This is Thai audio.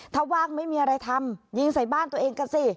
ถ้าว่างไม่มีอะไรทำยิงใส่บ้านตัวเองกันสิ